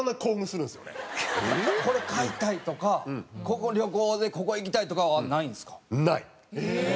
これ買いたいとか旅行でここ行きたいとかはないんですか？